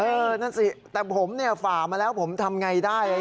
เออนั่นสิแต่ผมฝ่ามาแล้วผมทำอย่างไรได้